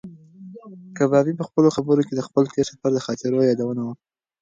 کبابي په خپلو خبرو کې د خپل تېر سفر د خاطرو یادونه وکړه.